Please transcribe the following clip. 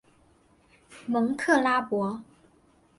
蒙克拉博。